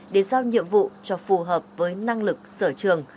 để giao nhiệm vụ cho phù hợp với năng lực sở trường